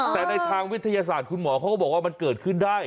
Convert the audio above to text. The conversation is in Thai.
แต่ในทางวิทยาศาสตร์คุณหมอเขาก็บอกว่ามันเกิดขึ้นได้